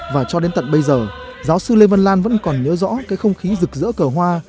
và cho đến tận bây giờ giáo sư lê văn lan vẫn còn nhớ rõ cái không khí rực rỡ cờ hoa